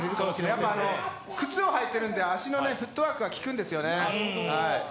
やっぱ靴を履いてるんで足のフットワークが効くんですよね。